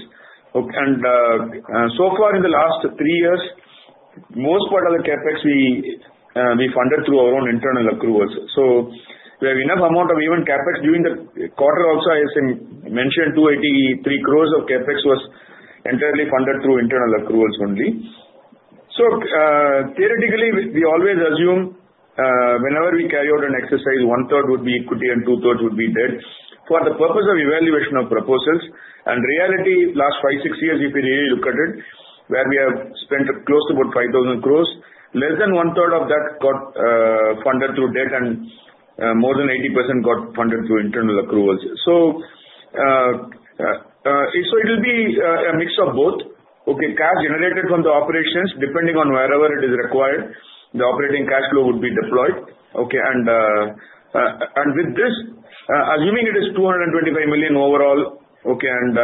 And so far, in the last three years, most part of the CapEx, we funded through our own internal accruals. So we have enough amount of even CapEx during the quarter also, as I mentioned, 283 crores of CapEx was entirely funded through internal accruals only. So theoretically, we always assume whenever we carry out an exercise, one-third would be equity and two-thirds would be debt for the purpose of evaluation of proposals. In reality, last five or six years, if you really look at it, where we have spent close to about 5,000 crores, less than one-third of that got funded through debt, and more than 80% got funded through internal accruals. So it will be a mix of both. Okay. Cash generated from the operations, depending on wherever it is required, the operating cash flow would be deployed. Okay. With this, assuming it is $225 million overall, okay, and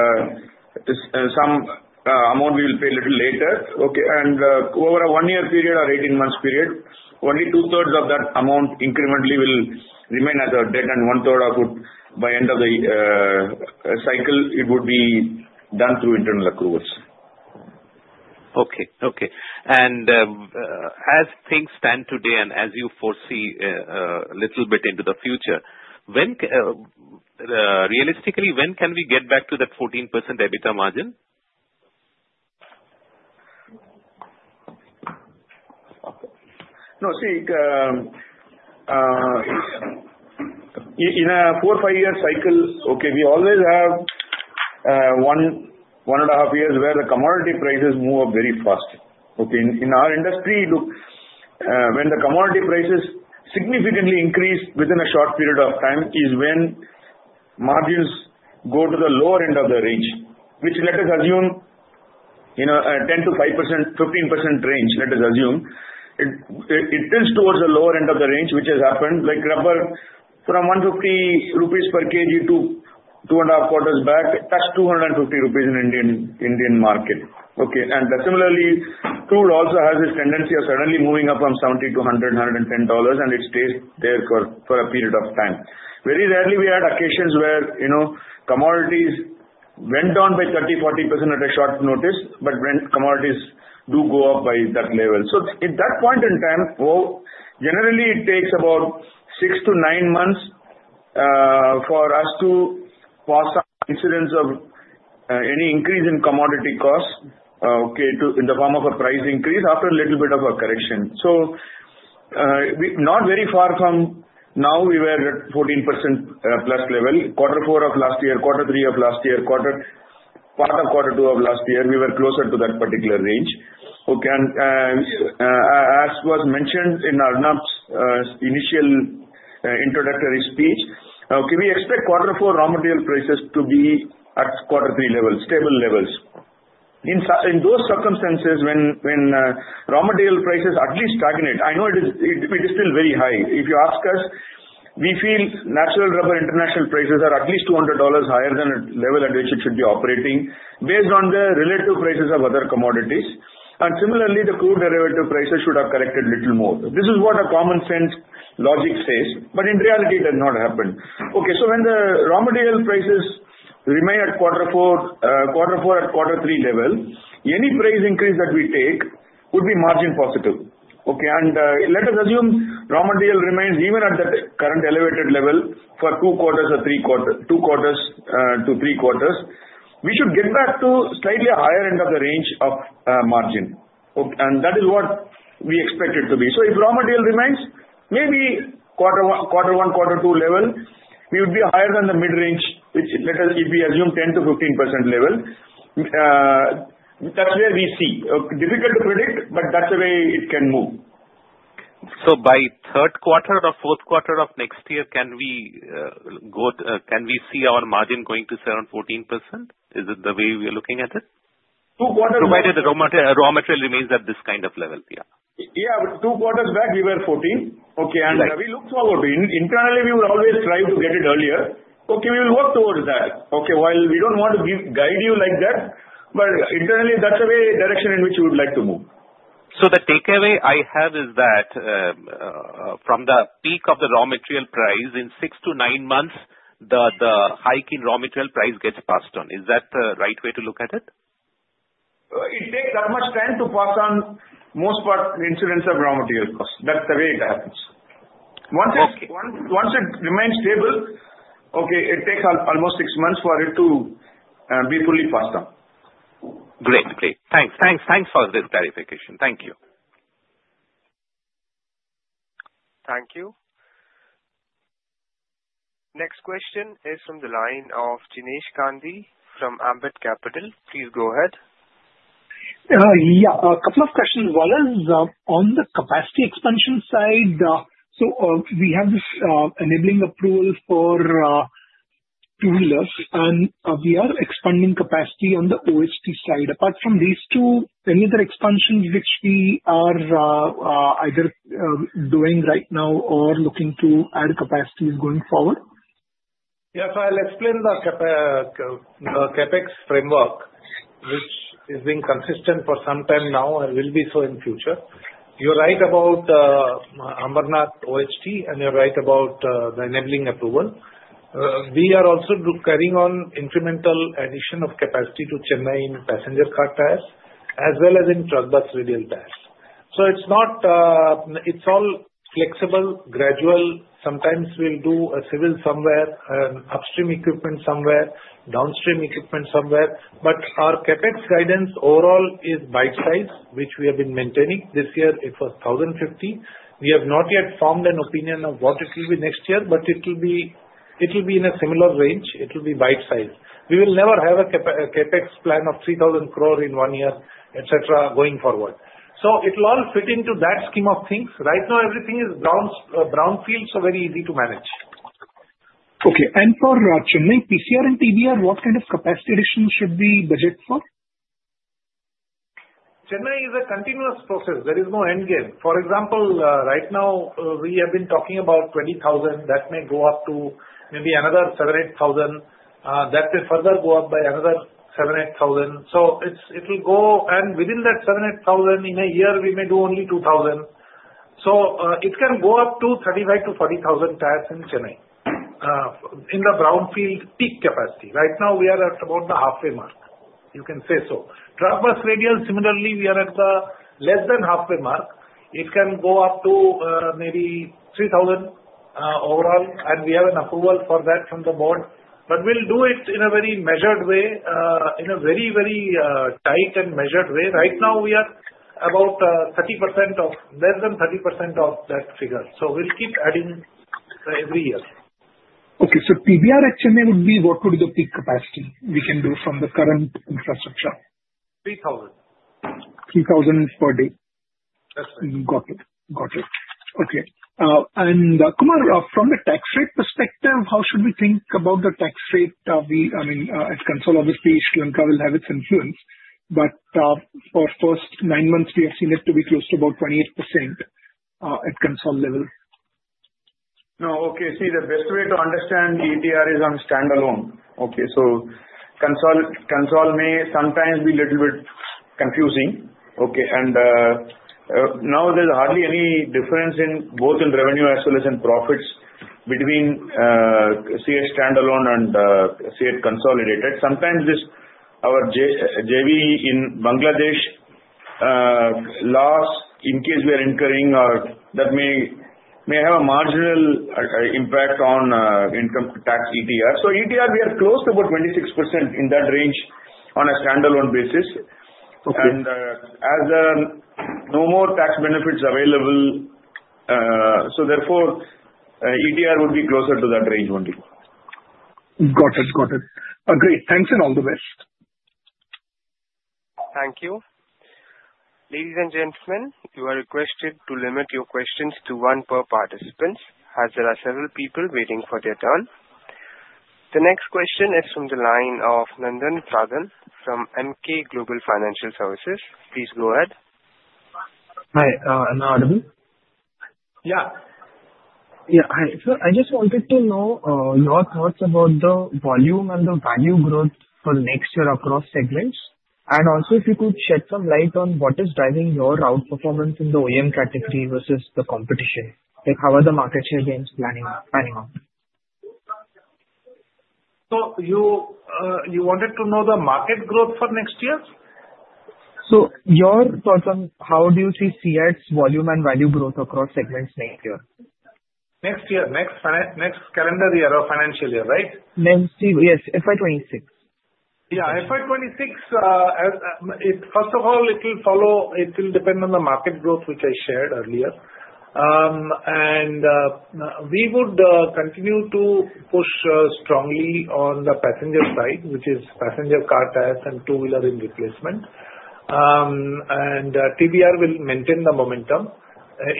some amount we will pay a little later, okay, and over a one-year period or 18-month period, only two-thirds of that amount incrementally will remain as our debt, and one-third by end of the cycle, it would be done through internal accruals. Okay. Okay. As things stand today and as you foresee a little bit into the future, realistically, when can we get back to that 14% EBITDA margin? No, see, in a four or five-year cycle, okay, we always have one and a half years where the commodity prices move up very fast. Okay. In our industry, look, when the commodity prices significantly increase within a short period of time is when margins go to the lower end of the range, which let us assume 10%-15% range, let us assume. It tilts towards the lower end of the range, which has happened from 150 rupees per kg to two and a half quarters back, touched 250 rupees in Indian market. Okay. And similarly, crude also has this tendency of suddenly moving up from $70- $100, $110, and it stays there for a period of time. Very rarely, we had occasions where commodities went down by 30%-40% at a short notice, but commodities do go up by that level. At that point in time, generally, it takes about six to nine months for us to pass on instances of any increase in commodity costs, okay, in the form of a price increase after a little bit of a correction. So not very far from now, we were at 14%+ level, quarter four of last year, quarter three of last year, latter part of quarter two of last year, we were closer to that particular range. Okay. And as was mentioned in Arnab's initial introductory speech, okay, we expect quarter four raw material prices to be at quarter three levels, stable levels. In those circumstances, when raw material prices are at least stagnant, I know it is still very high. If you ask us, we feel natural rubber international prices are at least $200 higher than the level at which it should be operating based on the relative prices of other commodities. And similarly, the crude derivative prices should have corrected a little more. This is what a common sense logic says, but in reality, it has not happened. Okay. So when the raw material prices remain at quarter four, quarter four at quarter three level, any price increase that we take would be margin positive. Okay. And let us assume raw material remains even at that current elevated level for two quarters or two quarters to three quarters, we should get back to slightly higher end of the range of margin. And that is what we expect it to be. So if raw material remains maybe quarter one, quarter two level, we would be higher than the mid-range, which if we assume 10%-15% level, that's where we see. Difficult to predict, but that's the way it can move. So by third quarter or fourth quarter of next year, can we see our margin going to around 14%? Is it the way we are looking at it? Two quarters back. Provided raw material remains at this kind of level. Yeah. Yeah. Two quarters back, we were 14%. Okay. Yes. And we looked forward. Internally, we will always try to get it earlier. Okay. We will work towards that. Okay. While we don't want to guide you like that, but internally, that's the direction in which we would like to move. So the takeaway I have is that from the peak of the raw material price, in six to nine months, the hike in raw material price gets passed on. Is that the right way to look at it? It takes that much time to pass on most incidents of raw material cost. That's the way it happens. Okay. Once it remains stable, okay, it takes almost six months for it to be fully passed on. Great. Great. Thanks. Thanks. Thanks for this clarification. Thank you. Thank you. Next question is from the line of Jinesh Gandhi from Ambit Capital. Please go ahead. Yeah. A couple of questions. One is on the capacity expansion side. So we have this enabling approval for two-wheelers, and we are expanding capacity on the OHT side. Apart from these two, any other expansions which we are either doing right now or looking to add capacities going forward? Yes. I'll explain the CapEx framework, which is being consistent for some time now and will be so in future. You're right about Ambarnath OHT, and you're right about the enabling approval. We are also carrying on incremental addition of capacity to Chennai in passenger car tires as well as in truck bus radial tires. So it's all flexible, gradual. Sometimes we'll do a civil somewhere, an upstream equipment somewhere, downstream equipment somewhere. But our CapEx guidance overall is bite-sized, which we have been maintaining. This year, it was 1,050. We have not yet formed an opinion of what it will be next year, but it will be in a similar range. It will be bite-sized. We will never have a CapEx plan of 3,000 crores in one year, etc., going forward. So it will all fit into that scheme of things. Right now, everything is brownfield, so very easy to manage. Okay. And for Chennai, PCR and TBR, what kind of capacity addition should we budget for? Chennai is a continuous process. There is no end game. For example, right now, we have been talking about 20,000. That may go up to maybe another 7,000-8,000. That may further go up by another 7,000-8,000. So it will go, and within that 7,000-8,000, in a year, we may do only 2,000. So it can go up to 35,000-40,000 tires in Chennai in the brownfield peak capacity. Right now, we are at about the halfway mark, you can say so. Truck-bus radial, similarly, we are at less than halfway mark. It can go up to maybe 3,000 overall, and we have an approval for that from the board. But we'll do it in a very measured way, in a very, very tight and measured way. Right now, we are about less than 30% of that figure. So we'll keep adding every year. Okay. So TBR at Chennai would be what would be the peak capacity we can do from the current infrastructure? 3,000. 3,000 per day? That's right. Got it. Got it. Okay. And Kumar, from the tax rate perspective, how should we think about the tax rate? I mean, at consolidated, obviously, Sri Lanka will have its influence. But for the first nine months, we have seen it to be close to about 28% at consolidated level. No. Okay. See, the best way to understand ETR is on standalone. Okay. So consolidated may sometimes be a little bit confusing. Okay. And now, there's hardly any difference both in revenue as well as in profits between CEAT standalone and CEAT consolidated. Sometimes our JV in Bangladesh loss in case we are incurring that may have a marginal impact on income tax ETR. So ETR, we are close to about 26% in that range on a standalone basis. And as there are no more tax benefits available, so therefore, ETR would be closer to that range only. Got it. Got it. Great. Thanks, and all the best. Thank you. Ladies and gentlemen, you are requested to limit your questions to one per participant as there are several people waiting for their turn. The next question is from the line of Nandan Pradhan from Emkay Global Financial Services. Please go ahead. Hi. Am I audible? Yeah. Yeah. Hi. So I just wanted to know your thoughts about the volume and the value growth for next year across segments. And also, if you could shed some light on what is driving your outperformance in the OEM category versus the competition, how are the market share gains playing out? So you wanted to know the market growth for next year? So your thoughts on how do you see CEAT's volume and value growth across segments next year? Next year, next calendar year or financial year, right? Next year. Yes. FY 2026. Yeah. FY 2026, first of all, it will depend on the market growth, which I shared earlier. And we would continue to push strongly on the passenger side, which is passenger car tires and two-wheeler in replacement. And TBR will maintain the momentum.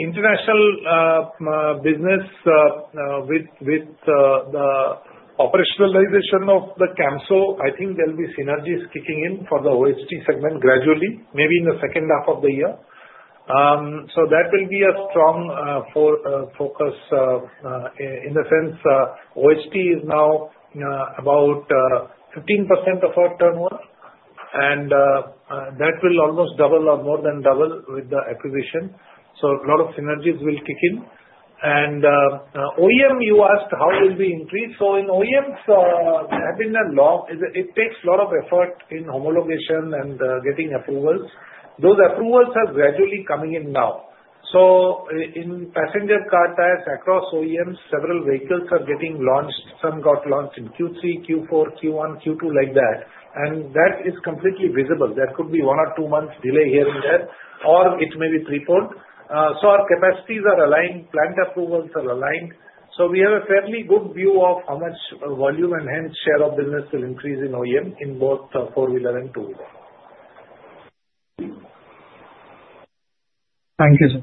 International business with the operationalization of the Camso, I think there'll be synergies kicking in for the OHT segment gradually, maybe in the second half of the year. That will be a strong focus in the sense OHT is now about 15% of our turnover, and that will almost double or more than double with the acquisition. A lot of synergies will kick in. OEM, you asked how will we increase. In OEMs, there has been a long it takes a lot of effort in homologation and getting approvals. Those approvals are gradually coming in now. In passenger car tires across OEMs, several vehicles are getting launched. Some got launched in Q3, Q4, Q1, Q2, like that. That is completely visible. There could be one or two months delay here and there, or it may be threefold. Our capacities are aligned. Plant approvals are aligned, so we have a fairly good view of how much volume and hence share of business will increase in OEM in both four-wheeler and two-wheeler. Thank you so much. The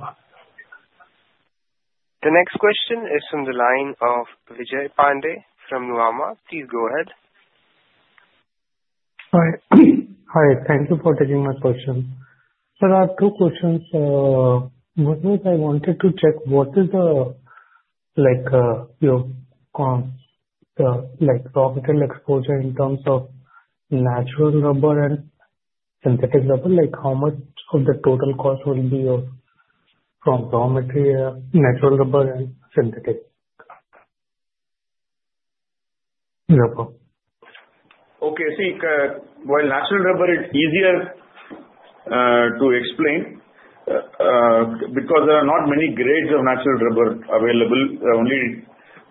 next question is from the line of Vijay Pandey from Nuvama. Please go ahead. Hi. Hi. Thank you for taking my question. There are two questions. One is I wanted to check what is your raw material exposure in terms of natural rubber and synthetic rubber? How much of the total cost will be from raw material, natural rubber, and synthetic rubber? Okay. See, while natural rubber, it's easier to explain because there are not many grades of natural rubber available, only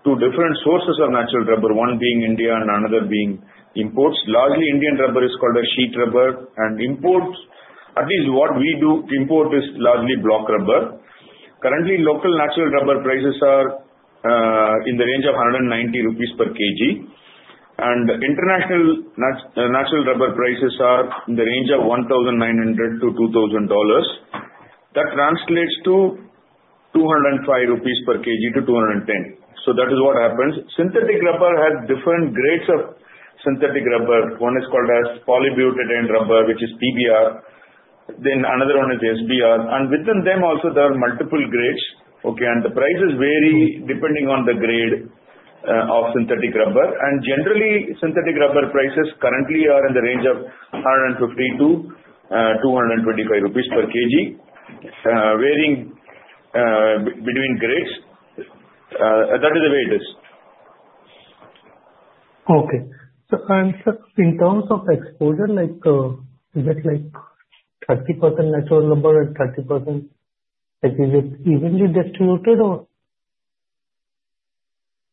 two different sources of natural rubber, one being India and another being imports. Largely, Indian rubber is called a sheet rubber, and imports, at least what we do import, is largely block rubber. Currently, local natural rubber prices are in the range of 190 rupees per kg. International natural rubber prices are in the range of $1,900-$2,000. That translates to 205 rupees per kg to 210. So that is what happens. Synthetic rubber has different grades of synthetic rubber. One is called polybutadiene rubber, which is PBR. Then another one is SBR. And within them also, there are multiple grades. Okay. And the prices vary depending on the grade of synthetic rubber. And generally, synthetic rubber prices currently are in the range of 150-225 rupees per kg, varying between grades. That is the way it is. Okay. And in terms of exposure, is it 30% natural rubber and 30%? Is it evenly distributed or?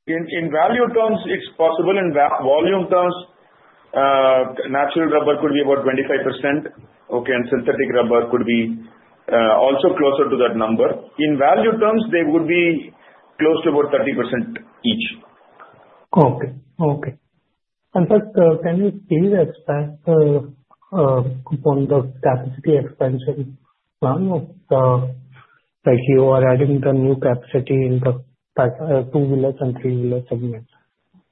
In value terms, it's possible. In volume terms, natural rubber could be about 25%. Okay. Synthetic rubber could be also closer to that number. In value terms, they would be close to about 30% each. Okay. Okay. Can you please expand on the capacity expansion plan that you are adding the new capacity in the two-wheeler and three-wheeler segments?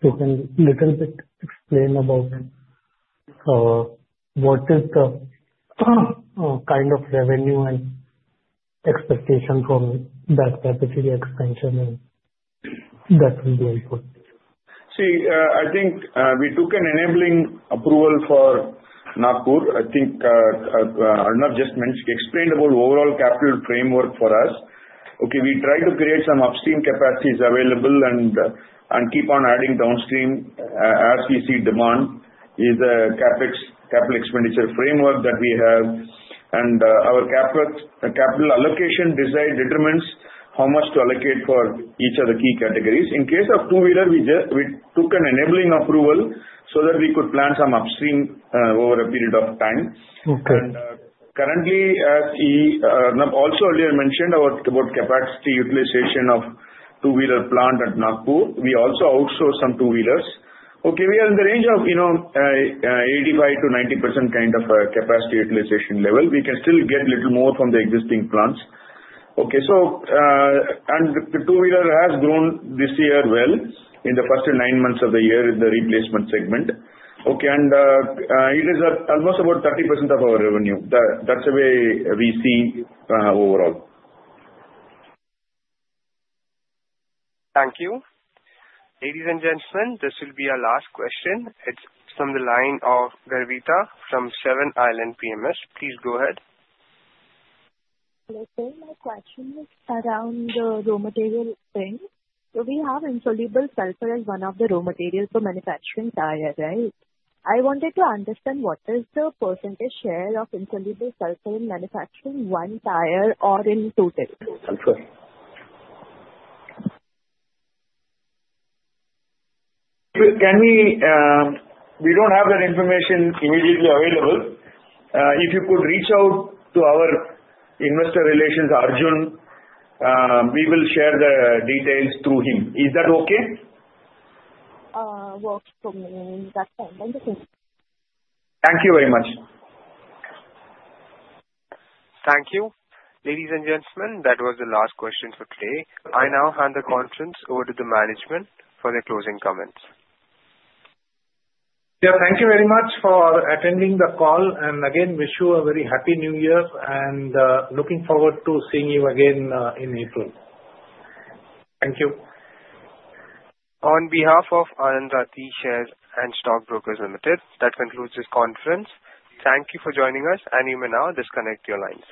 You can a little bit explain about what is the kind of revenue and expectation from that capacity expansion? That would be important. See, I think we took an enabling approval for Nagpur. I think Arnab just explained about overall capital framework for us. Okay. We tried to create some upstream capacities available and keep on adding downstream as we see demand is the CapEx, capital expenditure framework that we have. Our capital allocation determines how much to allocate for each of the key categories. In case of two-wheeler, we took an enabling approval so that we could plan some upstream over a period of time. Okay. And currently, as Arnab also earlier mentioned about capacity utilization of two-wheeler plant at Nagpur, we also outsource some two-wheelers. Okay. We are in the range of 85%-90% kind of capacity utilization level. We can still get a little more from the existing plants. Okay. And the two-wheeler has grown this year well in the first nine months of the year in the replacement segment. Okay. And it is almost about 30% of our revenue. That's the way we see overall. Thank you. Ladies and gentlemen, this will be our last question. It's from the line of Garvita from Seven Islands PMS. Please go ahead. Hello. So my question is around the raw material thing. So we have insoluble sulfur as one of the raw materials for manufacturing tires, right? I wanted to understand what is the percentage share of insoluble sulfur in manufacturing one tire or in two tires? We don't have that information immediately available. If you could reach out to our Investor Relations, Arjun, we will share the details through him. Is that okay? Works for me. That's fine. Thank you. Thank you very much. Thank you. Ladies and gentlemen, that was the last question for today. I now hand the conference over to the management for their closing comments. Yeah. Thank you very much for attending the call. And again, wish you a very Happy New Year and looking forward to seeing you again in April. Thank you. On behalf of Anand Rathi Share and Stock Brokers Limited, that concludes this conference. Thank you for joining us, and you may now disconnect your lines.